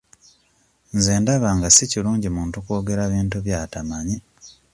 Nze ndaba nga si kirungi muntu kwogera bintu by'atamanyi.